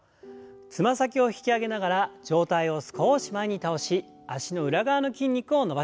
つま先を引き上げながら上体を少し前に倒し脚の裏側の筋肉を伸ばします。